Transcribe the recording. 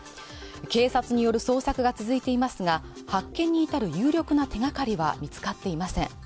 警察による捜索が続いていますが発見に至る有力な手掛かりは見つかっていません